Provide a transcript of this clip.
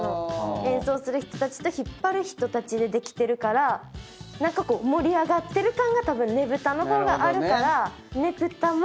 演奏する人たちと引っ張る人たちでできてるから何かこう盛り上がってる感がたぶんねぶたの方があるから。